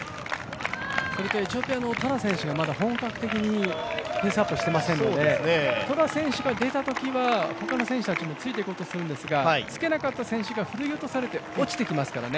エチオピアのトラ選手が本格的にペースアウトしていませんのでトラ選手が出たときは他の選手たちもついていこうとするんですがつけなかった選手がふるい落とされて落ちてきますからね。